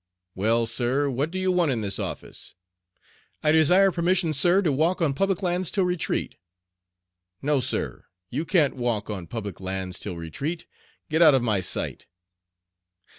"Well, sir, what do you want in this office?" "I desire permission, sir, to walk on public lands till retreat." "No, sir, you can't walk on public lands till retreat. Get out of my sight."